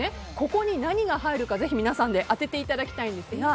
ここに何が入るかぜひ皆さんで当てていただきたいんですが。